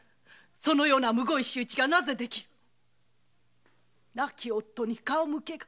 そのようなむごい仕打ちがなぜ出来る亡き夫に顔向けが。